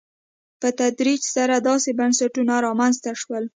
په تدریج سره داسې بنسټونه رامنځته شول.